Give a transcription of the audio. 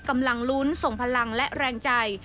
กำลังลุ้นส่งพลังและแรงใจ